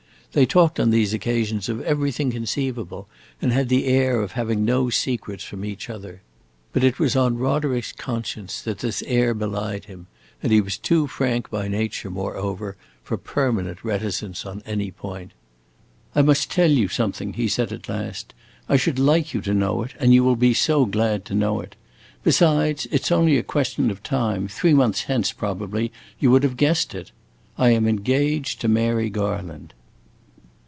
They talked on these occasions of everything conceivable, and had the air of having no secrets from each other. But it was on Roderick's conscience that this air belied him, and he was too frank by nature, moreover, for permanent reticence on any point. "I must tell you something," he said at last. "I should like you to know it, and you will be so glad to know it. Besides, it 's only a question of time; three months hence, probably, you would have guessed it. I am engaged to Mary Garland."